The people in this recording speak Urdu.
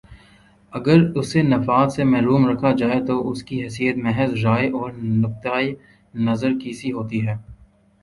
اگر اسے نفاذ سے محروم رکھا جائے تو اس کی حیثیت محض رائے اور نقطۂ نظر کی سی ہوتی ہے